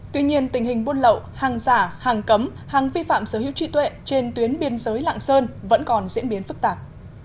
tuy nhiên tình hình buôn lậu hàng giả hàng cấm hàng vi phạm sở hữu trị tuệ trên tuyến biên giới lạng sơn vẫn còn diễn biến phức tạp